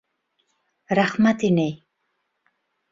Рәхмәт, инәй.